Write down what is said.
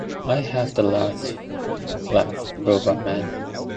I haff the last laugh, Robotman!